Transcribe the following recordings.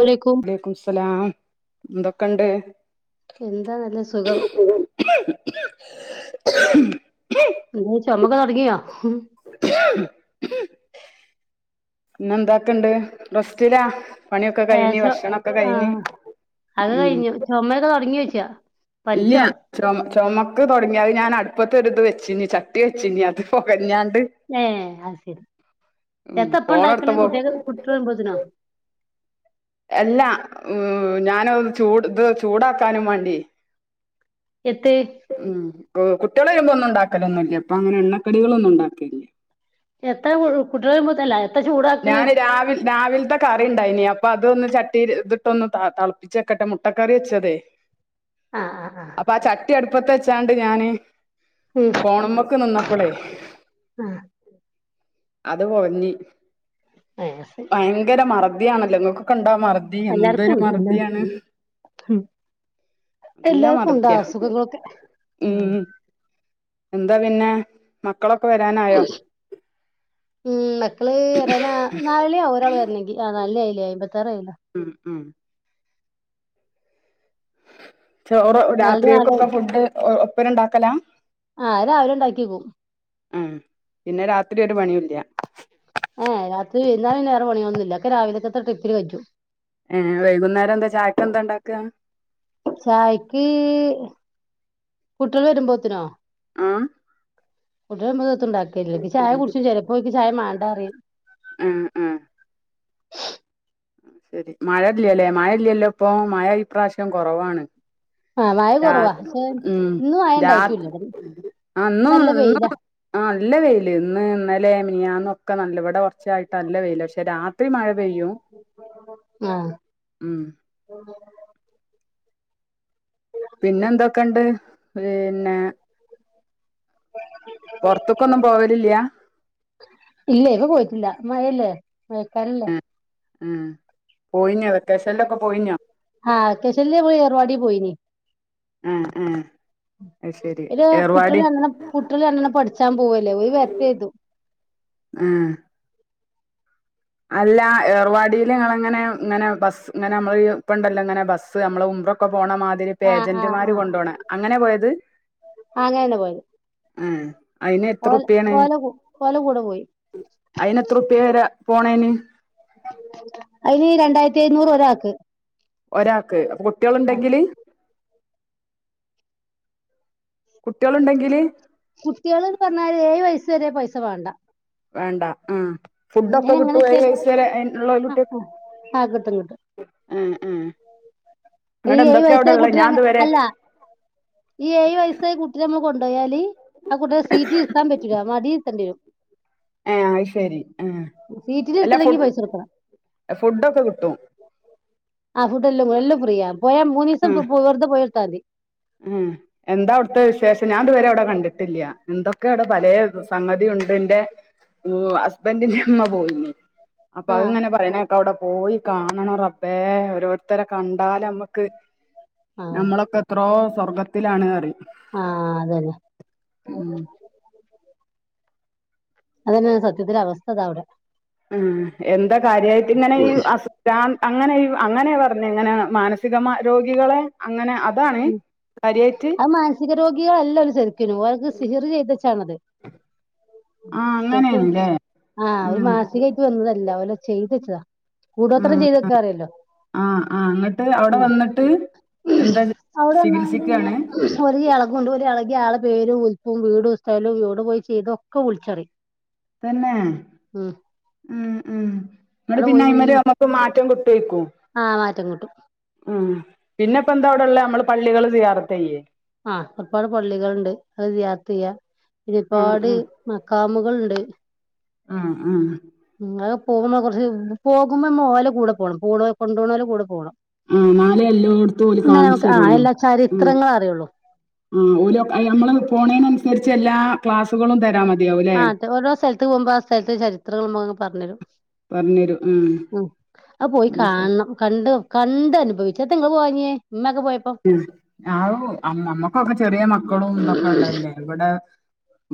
വലൈക്കും വലൈക്കമുസ്സെലാം എന്തൊക്കെണ്ട് എന്താ നല്ല സുഖം. ഉം മ്മ് ചുമയൊക്കെ തുടങ്ങിയോ. ഹും പിന്നെ എന്തൊക്ക ഇണ്ട് റസ്റ്റിലാ. ഏ ചൊ ആഹ് അത് ഉം കഴിഞ്ഞു ചുമയൊക്കെ തുടങ്ങി വെച്ചു [inaudible] ഇല്ല ചുമ ചുമ അ തുടങ്ങി അത് ഞാൻ അടുപ്പത്തെ ഒരു ഇത് വെച്ചിനി ചട്ടി വെച്ചിനി അത് പൊകഞാൻ ഏഹ് അത് സരി. ഉം എത്തപ്പണ്ടാക്ണ ഫോണെടുത്തപ്പോ കുട്ടിയേക്ക് കുട്ടിയെൾ വരുംമ്പോത്തിനോ? എല്ലാ. ഉം ഞാനൊ ചൂട് ഇത് ചൂടാക്കാനും വാണ്ട്യേ എത്ത് ഉം ഗു കുട്ടിയേള് വരുമ്പോ ഒന്നും ഉണ്ടാക്കലൊന്നുല്ല്യ. ഇപ്പങ്ങനെ എണ്ണക്കടികളൊന്നും ഉണ്ടാക്കൽല്ല. എത്ത കു കുട്ട്യേള് വരുമ്പോത്ത് അല്ല ഞാന് രാവ് രാവിലത്തെ കറിണ്ടായി നി പ്പ അതൊന്ന് ചട്ടി ല് ഇതിട്ടൊന്ന് ത തളപ്പിച്ചക്കട്ടെ മുട്ടക്കറി വെച്ചതേ. ആഹ് ആഹ് ആഹ് അപ്പാ ചട്ടി അടുപ്പത്തെ ച്ചാണ്ട് ഞാന് ഉം ഫോണ് മ്മക്ക് നിന്നപ്പളേ ആഹ് അത് പൊകഞ്ഞി അത് ശരി ഭയങ്കര മറ തിയാണല്ലോ ഇങ്ങക്കൊക്ക ണ്ടോ മറതി എല്ലാർക്കും എന്തൊരു ഉണ്ട് എല്ലാർക്കും മറദിയാണ് നല്ല എല്ലാർക്കും ഉണ്ടാ മറതിയാ അസുഖങ്ങളൊക്കെ ഉം എന്താ പിന്നെ. മ ക്കളൊക്കെ വരാനായോ? ഉം മക്കള് വരാനാ നാലെണ്യാവും ഒരാൾ വരണെങ്കി ആ നാലണ്യിയായി. ഉം ഉം ചോറ് നാലണി നാലായി രാത്രിയെക്കൊക്ക ഫുഡ് ഒപ്പന്ന ഇണ്ടാക്കല ആ അത് രാവിലെ ഉണ്ടാക്കിയേക്കും ഉം പിന്നെ രാത്രി ഒരു പണിയുല്ല. ഏ ഏഹ് രാത്രി വൈന്നാര പിന്നെ വേറെ പണിളൊന്നുല്ല ഒക്കെ രാവിലേക്കെത്തെ ട്രിപ്പില് കജ്ജും. ഏഹ് വൈകുന്നേരം എന്താ ചായക്ക് എന്താ ഇണ്ടാക്ക്? ചായ്ക്ക് കുട്ടിള് വരുമ്പോത്തിനോ? ആഹ് കുട്ടിള് വരുമ്പോ എത്തു ഇണ്ടാക്കൽല്ല ഓൽക്ക് ചായ കുടിച്ചു ചെലേപ്പ ഓൽക്ക് ചായ മാ ണ്ടറിയിൻ ഉം ഉം ശെരി മഴ ഇല്ലല്ലേ മഴ ഇല്ലല്ലോ ഇപ്പം. മഴ ഈപ്രാവശ്യം കൊറവാണ്. ആഹ് മഴ രാ കുറവാ പക്ഷെ ഉം ഇന്ന് മഴ രാത് ഇണ്ടായിട്ടുല്ല ആ ഇന്നു നല്ല ഇന്നു വെയിലാ ആ നല്ല വെയിലെ ഇന്ന്, ഇന്നലെ, മി നിയാന ഒക്കെ നല്ലവിടെ ഉച്ചായിട്ട് അല്ല പെയ്യല്ല പക്ഷെ രാത്രി മഴ പെയ്യും ആഹ് ഉം പിന്നെ എന്തൊക്ക ഇണ്ട് പിന്നെ പുൊറത്തക്കൊ ഒന്നും പോവലില്ലയാ വേക്കല്ലേ ആഹ ആഹ കശല് ഏർവാടി പോയിന് ആ ആ അത് ശരി ഇ ഏർവാടി കുട്ടികള കുട്ടികള എണണം പഠിച്ചാൻ പോവല്ലേ വരത്ത ചെയതു ആ അല്ല ഏർവാടിൽ ഇങ്ങനെ ഇങ്ങനെ ബസ് ഇങ്ങനെ നമ്മള് ഇപ്പ ഉണ്ടല്ലോ ഇങ്ങനെ ബസ് നമ്മള ഉ പോണ മാതിരിപ്പ ഏജന്റുമാര് കൊണ്ട പോണം അങ്ങനെ പോയ അത് ആ അങ്ങനെ തന്നെ പോയത് ആ അയിന് എത്ര ഓല റുപ്യാണ് കോഓല കോല കൂടെ പോയി പോണ നി അതിന് രണ്ടായിരത്തി അഞ്ഞൂറ് ഒരാ ആക്ക് ഒരാക്ക് അപ്പൊ കുട്ടികളുണ്ടെങ്കില് കുട്ടികളുണ്ടെങ്കില് ചെറിയ പൈസ വേണ്ട വേണ്ട ഉം ഫുഡ ഒക്കെ ഇങ്ങനെ എങ്ങനെ കിട്ടും ഏ വെച്ചാൽ വയസ്സ ആ വരെള്ളകുട്ടിയ ആ കിട്ടും ആ ഉ ഏ് വയസ്സായി കുട്ടരങ് അല്ല ഈ ഴ വയസ്സായി കുട്ടി നമ്മൾ കൊണ്ട് ടയാലി ആ കുട്ടിക സീറ്റ് ഇരുത്താൻ പറ്റുക മടിയിരുത്തണ്ടിരും ആ ശരി ആ സീറ്റിൽ എല്ലാ ഫു ഇരുത്തണെങ്കി പൈസ കൊടുക്കണം ഫുഡൊക്കെ കിട്ടും ആ ഫുഡ് എല്ലും എല്ലാം പ്രിയ പോയ മൂന്ന് ദിവസം വറുത പോയിട്ടത്താി ഉ എന്താ അവിടുത്തെ വിശേഷം ഞാൻതുവരെ അവിടെ കണ്ടിട്ടില്ല എന്തൊക്കെ അവിടെ പല സംഗതി ഉണ്ട് എന്റെ ഹസ്ബൻറിിന്റെ അമ്മ പോയിന് അപ്പൊ ആ അത്ങ്ങനെ പറയണകേട്ടവടെ പോയി കാണണം റബ്ബേ, ഓരോരുത്തരെ കണ്ടാലെ മ്മക്ക് ആ ഇപ്പോ സ്വർഗ്ഗത്തിലാണ് കറി. ആ അതന്നെ ഉം [inaudible] അതെന്നെണ് സത്യത്തിൽ അവസ്ഥതാ അയുടെ ഉം എന്താ കാര്യായിട്ട് ഇങ്ങനെ ഈ അസു ഭ്രാ അങ്ങനെ ഇ അങ്ങനെ പർഞ്ഞെ ഇങ്ങനെ മാനസികമാ രോഗികളെ അങ്ങനെ അവ് അതാണ് കാര്യായിട്ട് ഗി അല്ല ഒര് ശരി ക്കിനും ഓൽക്ക് സിഹ്റ് ചെയ്തെച്ചതാൺ അത് ആ ശെരിക്കും അങ്ങനെയാണല്ലേ ആ ഓൽ ഉം മാൻസികായിട്ട് വന്നതല്ലാ ഓൽ ചെയ്തെച്ചതാ ഉം ഉം ആ ആ ഇന്നട്ട് അയുടെ വന്ന്ട്ട് എന്താ ചെ ഇവടെ വന്നാണ്ട് പിന്നെ ഒര് യാളെ കൊണ്ട് ഒര് യാ കി ആളെ പേരും ഉൽപ്പും വീടും സ്ഥലോം ഒയുടെ പോയി ചെയ്തൊക്കെ വുൾച്ച് പറിം തന്നേ ഉം ഉം ന്നട്ട് അവിടെ പിന്നെ പോയി മുഴി അയിമെൽ അമ്മക്ക് മാറ്റം കി കേക്കും ആഹ് മാറ്റം കിട്ടും ഉം പിന്നെ ഇപ്പ എന്താ അയുടെ ഇള്ളേ അമ്മൾ പള്ളികൾ സിയാറത്തെയ്യെ ആ ഒര്പാട് പള്ളികൾ ഇണ്ട് അയ് സിയാറത്ത് ചെയ്യാ ഉം ഒര്പാട് ഉം മഖാമുകൾ ഇണ്ട് ആ ആ ങ്ങൾ പോവുമ്പോ കൊർച്ച് പോകുമ്പോ അമ്മൾ ഓലെകൂടെ പോണം പോണോ കൊണ്ടോണോലെ കൂടെ പോണം ആ ഇന്നാലെ എല്ലോട്ത്തും ഓല് എന്നാ നമുക്ക് ആഹ് കാൺച്ചെരൊള്ളു എല്ലാ ഉം ചരിത്രങ്ങളും അറിയുള്ളൂ ആ ഓലൊക്കെ അയ് അമ്മൾ അഹ് പോണെന് അൻ അൻസെര്ച്ചെല്ലാ ക്ലാസുകളും തരാൻ മതി ആ തെ ഓരോ സ്ഥൽത്ത് പോവ്മ്പോ ആ സ്ഥൽത്തെ ചരിത്രങ്ങൾ പർണെരും ഉം അയ് പോയി അത് ശരി കാണം. കണ്ട് കണ്ട് അനുഭവിച്ചാ എത്താ ഇങ്ങൾ പോവാഞ്ഞെ ഏ ഞായു അമ് ഞമ്മക്കൊക്കെ ചെറിയ മക്കളും ഇതൊക്കെ ഇള്ളെയ് അല്ലേ ഇവടെ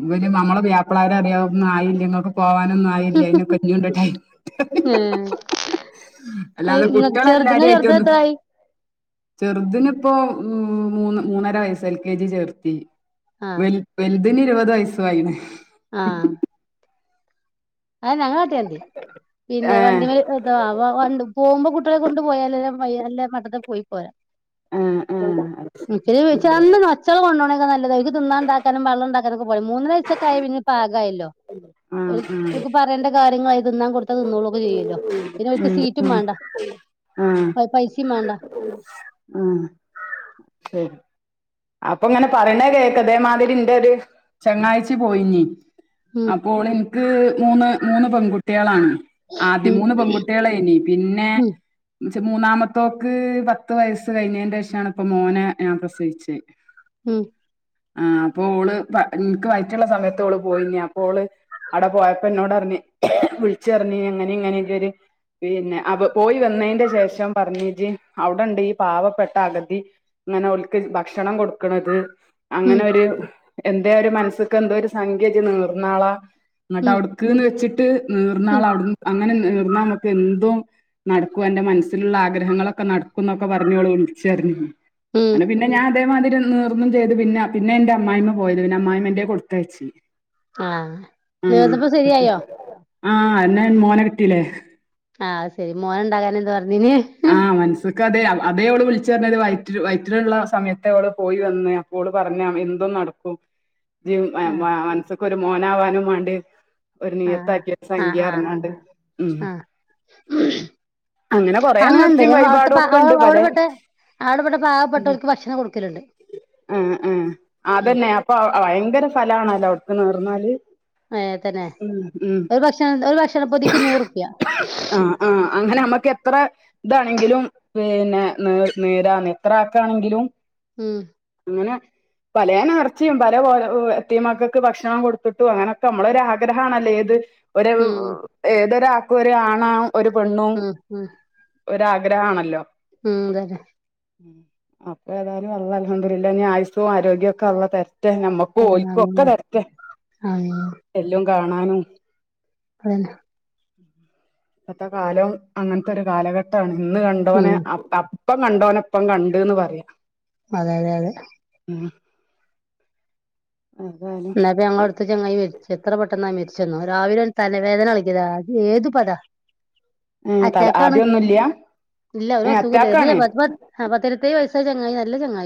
ന്നു വെച്ച് നമ്മളെ പുയാപ്പ്ള്ളാര് പറിയാവും ആയില്യ ഇങ്ങൾക്കൊ പോവാനൊന്നും ആയില്ല അയിനൊക്കെ ഇഞ്ഞും ഇണ്ട് ടൈമ് ഇണ്ട് ഏഹ് പറിം അത് അല്ലാതെ ഇങ്ങ കുട്ടെളെ ചെറുത് ഇങ്ങളെ എല്ലാരിം ചെറുത് ആയിട്ടൊന്നും എത്രായി ചെർതിൻ ഇപ്പോ മൂ മൂന്ന് മൂന്നര വയസ്സ് എൽ കെ ജി ചേർത്തി ആഹ് വെൽ വെൽ തിന് ഇരുപത് വയ്സ്സും ആയിണ് അയെന്നെ അങ്ങനെ കാട്ടിയാ മതി പിന്നെ ഏഹ് വണ്ടിമെൽ എത്താ വാ വണ്ടി പോവുമ്പോ കുട്ടാളെ കൊണ്ട് പോയാലല്ലെ പയ്യ അല്ലെ മട്ടത്ത് പോയി പോരാ ഏഹ് ഏഹ് [unintelligible] അത് ശ നല്ല നജ്തും തിന്നാൻ ഇണ്ടാക്കാനും വെള്ളം ഇണ്ടാക്കാ ചിലർക്ക് പതിമൂന്ന്‌ വയസ്സോക്കായ പിന്നെ പാകായല്ലോ. ഒരു ആഹ് ക്ക് പറയേണ്ട കാര്യങ്ങൾ അത് തിന്നാൻ കൊടുത്ത് ഇത്താ നിന്നോളൂക്കെ ചെയ്യല്ലോ പിന്നെ ഓക്ക് സീറ്റും വേണ്ട. ആം എനക് മേണ്ടാ ശരി അപ്പൊ ഇങ്ങനെ പറയേണ കേക്ക് അതേമാതിരി ഇന്റെ ഒരു ചെങ്ങാഴ്യിച്ചി പോയിഞ്ഞീ ഉം അപ്പോൾ ഓള് എനക്ക് മൂന്ന് മൂന്ന് പെൺകുട്ടിയാളാണ് ആണ്. ആദ്യ ഉം മൂന്ന് പെൺകുട്ടിയാള ഇനി പിന്നെ ഉം മൂന്നാമത്തോക്ക് പത്ത് വയസ്സ് കഴിഞ്ഞേന്റെ ശേഷാണ് ഇപ്പൊ മോനെ ഞാൻ പ്രസവിച് മ്മ് ആ അപ്പ ഓള് എനക്ക് വായിറ്റുള്ള സമയത്ത് ഓള് പോയിന്ന അപ്പോ ഓള് അടെ പോയപ്പോ എന്നോടറിഞ്ഞ് വിളിച്ചറഞ്ഞ്‌ അങ്ങനെ ഇങ്ങനെ ഇത് ഒരു പിന്നെ അവ പോയി വന്നതിന്റെ ശേഷം പറഞ്ഞജ് അവിടെണ്ട് ഈ പാവപ്പെട്ട അഗതി ഇങ്ങനെ അവക്ക് ഓൾക്ക് ഭക്ഷണം കൊടുക്കണത് ഉം അങ്ങനെ ഒരു എന്താ ഒരു മനസ്സക്ക് എന്തോ ഒരു സംഖ്യ ജ് നീർന്നാളാ എന്നിട്ട് ഉം അവിടുക്ക്ന്ന് വെച്ചിട്ട് ട്ട് ഉം നീർന്നാള അവിടു അങ്ങനെ നീർന്നാ നമക്ക് എന്തോ നടക്കും അന്റെ മനസ്സിലുള്ള ആഗ്രഹങ്ങളൊക്കെ നടക്ക നൊക്കെ പറഞ്ഞോളു ഒച്ചതെരിഞ്. ഉം അനെ പിന്നെ ഞാൻ അതേമാതിരി നീർന്നും ചെയ്ത് പിന്നെ പിന്നെ എന്റെ അമ്മായിമ്മ പോയത് പിന്നെ അമ്മായിമ്മ എന്റെ കൊടുത്തയച്ചു ആഹ നെർന്നപ്പോ ശരിയായോ? ങാ എന്നാ മോനെ കെട്ടീല്ലേ. അത് ശെരി മോന ഉണ്ടകാന എന്തു പറഞ്ഞെ നിന്നെ ആഹ് മനസ്സക്ക് അതെ. അതെ ഓള് വിളിച്ചു പറഞ്ഞത് വയറ്റി വയറ്റിലള്ള സമയത്ത് പോയി വന്ന അപ്പോടള് പറഞ്ഞെ എന്തും നടക്കും. [unintelligible] ഒരു മോനാവാനും വേണ്ടി ഒരു ആഹ് നിയത്താക്കിയ ആഹ് സംഖ്യാ ആഹ് ആഹ് അറഞോണ്ട്. എം ആഹ് അങ്ങനെ പറഞ്ഞു വേണേ അങ്ങണ്ട് ഒത്തിയി അവിടുത്തെ വായ്പാടൊക്കെണ്ട്ബടെ. അവിടെപ്പെട്ട അവിടെപ്പെട്ട പാവപ്പെട്ടവർക്ക് ഭക്ഷണം കൊടുക്കലുണ്ട് മ്മ് മ്മ് ആ ഉം അതന്നെ അപ്പൊ ഭയങ്കര ഫലാ ണല്ലോ അവിടു നേർന്നാല് ഏ തന്നെ ഉം ഉം ഒരു ഭക്ഷണ ഒരു ഭക്ഷണപ്പൊതിക്ക് നൂറുപ്യ ആഹ് ആഹ് അങ്ങനെ നമ്മക്ക് എത്ര ഇതാണെങ്കിലും പിന്നെ നേ നേരാ നത്ര ആക്കാണെങ്കിലും ഉം അങ്ങനെ പല നേർച്ചയും പല പോലെ എത്തിയ മക്കൾക്ക് ഭക്ഷണം കൊടുത്തിട്ടു അങ്ങനെൊക്കെ നമ്മളൊ ആഗ്രഹണല്ലേ ത് ഒരു ഉം ഏതൊരു ഒ ഒരുരാണാവ ഒരു പെണ്ണു ഉം ഉം ഒരാഗ്രഹ ആണല്ലോ ഉം അതല്ലെ ഉ അൊ ഏതായാലും ഉള്ള അലഹംുില്ല ഇനി ആയുസവും ആരോഗ്യവും ഒക്കെ ഉള്ള തര മറ്റ നമ്മക്ക് ഓൽക്ക ഒക്കെ തരട്ടെ എല്ലാം കാണാനോ പറന്ന ഇപ്പത്തെ കാലവും അങ്ങനത്തെ ഒരു കാലഘട്ടം ത ഇന്ന് കണ്ടവന ഉം ഇപ്പം കണ്ടോനപ്പം കണ്ടുന്ന് പറയാ അതെ അതെ അതെ ആഹ എന്ന ഞങ്ങ അടുത്ത് ചങ്ങായി വെ ചിത്ര പെട്ടെന്നാ മരിച്ചെന്നു രാവിലെ തന്ന വേദന കളിക്കിയതാ അത് ഏതു പദാ ഏ തല അറ്റാക്ക ആാണ് ആദ്യൊന്നുംല്ല ഇല്ല ഒരു ഏ അസുഖ ഇല്ല അറ്റാക്കാണ് പത്തിരത്തേ വയ െങ്ങ ചങ്ങ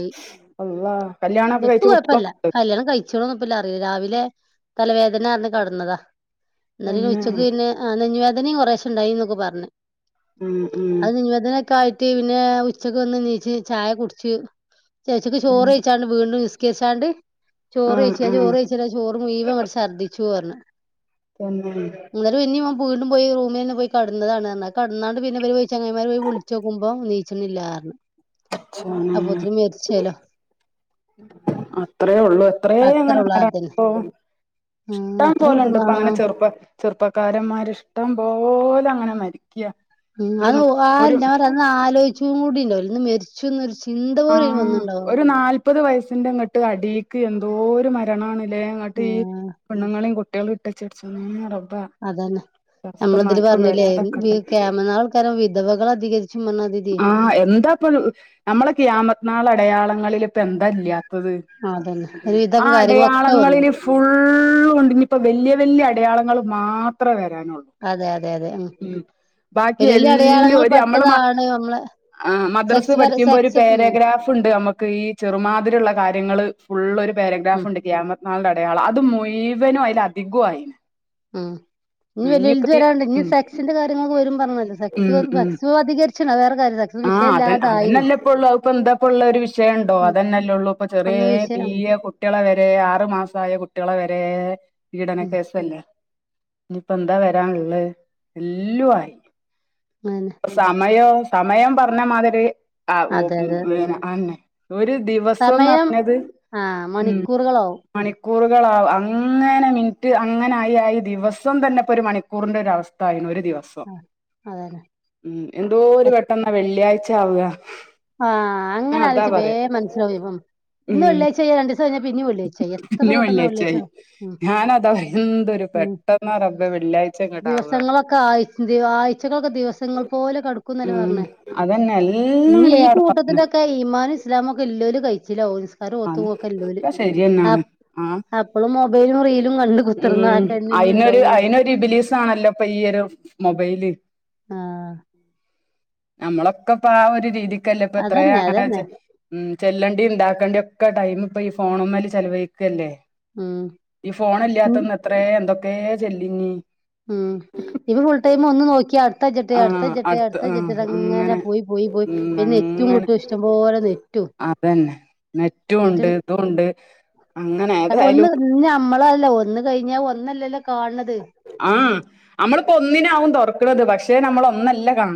അള്ളാ കല്യാണൊക്കെ എ കഴിച്ച കൊഴ കുട്ടികളൊക്കെണ്ട് കണം കഴിച്ച രാവിലെ തലവേദന ആന്ന് കടന്നതാ എന്ന തന്നെ ഉച്ചക്ക് പിന്നെ നെഞ്ഞുവേദനയും കുറ ണ്ടായി എന്നൊക്കെ പറഞ്ഞഞ് ഉം ഉം ായിട്ട് പിന്നെ ഉച്ചക്ക് ഒന്ന് നീച്ച് ചായ കുടിച്ച്ു ചേച്ചിക്ക് ചോറ്ഴച്ചാണ്ട് വീണ്ടും കേശാി ആ ചോറ് ആ ചോറയ്ച്ച ചോറ് മുഴുവൻ ഇങ്ങട്ട് ഛർദിച്ചു [unintelligible] തന്നെ വീണ്ടും പോയി റൂമിലെന്നെ പോയി കെടന്നതാണ്ർഞ്ഞ്. കെട്ന്നാണ്ട് പിന്നെ പോയ് ചെങ്ങായ്മാര് പോയ് വിളിച്ച് നോക്കുമ്പോ നീച്ച്ണില്ലാർഞ്ഞു. പടച്ചോനെ അത്രേ ഉള്ളു കുറെ അത്രേ ഉള്ളൂ അങ്ങനണ്ട് അതന്നെ പ്പോ ആഹ് ഇഷ്ടം എത്ര പോലെുണ്ട് ഇപ്പ പെട്ടെന്നാ അങ്ങനെ ചെറുപ്പ ചെറുപ്പക്കാരന്മാര് ഇഷ്ടം പോലെ അങ്ങനെ മരിക്യ ഉം ആ ഒന്ന് അലോയ്ച്ചൂടി ണ്ടാവൂല ഓൽ ന്ന് മർച്ചും ന്നൊരു ചി ആ ഒരു നാൽ മുപ്പത് വയസ്സിൻ്റെ ഇങ്ങട്ട് അടീക്ക് എന്തോരു മരണമാണ് ലേ ങ്ങട്ട് ഈ ആഹ് പെണ്ണുങ്ങളിം കുട്ട്യാളിം [unintelligible] അതന്നെ നമ്മള തില് പറഞ്ഞില്ലേ വരാതൊക്കട്ടെ കിയാമത് നാൾ അടുക്കാനാവുമ്പോ വിധവകൾ അധികരി ആ എന്താപ്പ നമ്മള കിയാമത്തിനാൾ അടയാളങ്ങളിൽ. ഇപ്പൊ എന്തല്ല്യാ ത്തത്. അതന്നെ ഒരുവിധം ആ കാര്യങ്ങളൊക്കെ വന്നു അടയാളങ്ങളില് ഫുള്ളുണ്ട്. ഞിപ്പോ വല്ല്യ വല്ല്യ ടയാളങ്ങൾ മാത്രേ വരാനുള്ളൂ അതെ അതെ അതെ. ഉം ബാക്കി വലിയ വലിയ എല്ലും അടയാളങ്ങൾ ഇത് നമ്മളെ മ. പെട്ടതാണ് നമ്മളെ ആ മ മദർസ് സെക്സ് പര പഠിക്കുമ്പോ ഒരു സെക്സ് ഉം പാരഗ്രാഫ് ണ്ട് നമ്മക്ക് ഈ ചെറുമാതിരിള്ള കാര്യങ്ങള് ഫുള്ള് ഒരു ഉം പാരഗ്രാഫ് ണ്ട് കിയാമത്ത് നാളുടെ അടയാളം അത് മുഴുവനും അയ്ല് അധികു ആയി. ഉം ഇനി വല്യ വൽത് വരാണ്ട് ഇനി ഉം സെക്സിന്റെ കാര്ങ്ങൾ വും പറഞ്ഞ ഉം ഉം സെക്സും അധികരി ച്ച് ആഹ് അത അതന്നെല്ലെ ഇപ്പൊള്ളു. അത്പ്പോ എന്താപ്പൊള്ളെ ഒരു വിഷയ ണ്ടോ. ഉം അതന്നല്ലേ ള്ളു പ്പോ ചെറിയ അന്ന് വിഷയം ഉം പീയ കുട്ട്യാളെ വരെ ആറു മാസായ കുട്ടികളെ വരെ പീഡന ഉം കേസല്ലേ ഇനിപ്പോ എന്താ വരാൻള്ള എല്ലു ആയി. അതന്നെ സമയോ സമയം പറഞ്ഞ മാതിരി ആ ഓ അതെ അതെ ആന ഒരു ദിവസംന്ന് സമയം പറഞ്ഞത് ആഹ് ഉ മണിക്കൂറുകളാവും മണി കൂറുകളൾാവും അങ്ങനെ മിനിറ്റ് അങ്ങനെആയിആയി ദിവസം തന്നെ ഇപ്പൊ ഒരു മണിക്കൂറിന്റെ ഒര അവസ്ഥ ആയിരുന്നു ഒരു ദിവസം അതന്നെ ഉ എന്തോ ഒരു വെള്ളിയാഴ്ച ആവുക ആഹ ആ അങ്ങനെ അതാ ആലോചച്ച ബേ പറയാ മനസ്സിലാവ ഇപ്പം ഇന്ന് ഉം വെള്ളിയാഴ്ച്യ രണ്ട ദിവസം കഴിഞ്ഞ പിന്നീ വെള്ളിയാഴ്ച എത്ര പിന്നെ പെട്ടെന്ന വെള്ളിയാഴ്ചയായി വെള്ളാഴ് ഉ ഞാനതാ എന്തൊരു ഉ പെട്ടെന്നാ റബ്ബേ വെള്ളിയാഴ്ച ഇങ്ങട്ടാവുക ദിവസങ്ങളൊക്കെ ആയി ആഴ്ചകളൊക്കെ ദിവസങ്ങൾ പോലെ കടുക്കുന്ന ഉം അതന്നെ എല്ലാം ഈ കൂട്ടത്തിലൊക്കെ ഈമാൻ ഇസ്ലാമൊക്കെ ഇല്ല ഇല്ല കഴിച്ചില്ല അ അ ശരിന്നാണ് ആഹ അപ്പളും മൊബൈലും റീലും കണ്ട് ഉ കുത്തിർന്ന ആക്കന്നെ ഇഞ്ഞി അയിനൊരു ഇണ്ടാവൊള്ളൂ അയിനൊരു ഇബിലീസ് ആണല്ലോ ഇപ്പൊ ഈയ ഒരു മൊബൈല് ആഹ് ഉം നമ്മളൊക്കെ ഇപ്പ ആ ഒരു രീതി ല്ല ഇപ്പ എത്രയെ അതന്നെ അതന്നെ ഉ ചെല്ലണ്ടി ഇണ്ടാക്കേണ്ടി ഒക്കെ ടൈം ഇപ്പൊ ഈ ഫോണമേൽ ചില വഴിക്കുകല്ലേ ഉം ഈ ഫോൺ ഇല്ലാത്ത ഒന്ന് എത്ര എന്തൊ തെ ജല്ലിനി ഉം ഇപ്പ ഫുൾ ടൈം ഒന്ന് നോക്കിയാ അടുത്ത ചെട്ടി അടുത്ത ആഹ് ചെട്ടി അടുത്ത് അടുത്ത ചെട്ടി ആഹ് അങ്ങനെ പോയി പോയി പോയി ഉം പിന്നെറ്റവും അങ്ങനെ കിട്ടും ഇഷ്ടംപോലെ നെറ്റും നെറ്റു നെറ്റ് ഉണ്ട് ഇതുണ്ട് അങ്ങനെ ഏതായാലും അല്ല ഒന്ന് കഴിഞ്ഞാൽ ഒന്നല്ലല്ലോ കാൺണത്. ആ നമ്മളിപ്പോ ഒന്നിനാവും തൊറക്കണത് പക്ഷേ നമ്മള് ഒന്നല്ല കാണന്ന്